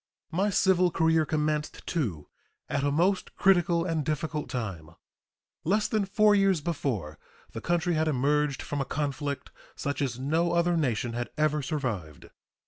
My civil career commenced, too, at a most critical and difficult time. Less than four years before, the country had emerged from a conflict such as no other nation had ever survived.